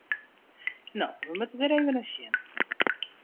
No, we moatte der even nei sjen.